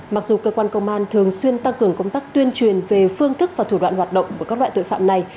mặc dù cơ quan công an thường xuyên tăng cường công tác tuyên truyền về phương thức và thủ đoạn hoạt động của các loại tội phạm này